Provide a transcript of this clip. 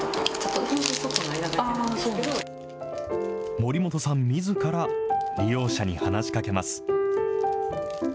守本さんみずから利用者に話しかけます。